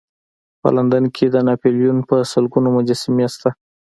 په لندن کې د ناپلیون په سلګونو مجسمې شته.